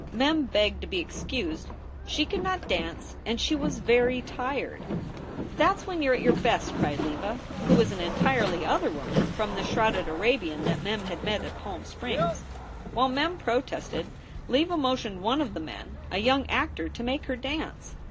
Mem begged to be excused. She could not dance and she was very tired. "That s when you re at your best," cried Leva, who was an entirely other woman from the shrouded Arabian that Mem had met at Palm Springs. While Mem protested Leva motioned one of the men, a young actor, to make her dance.